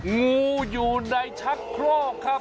งูอยู่ในชักโครกครับ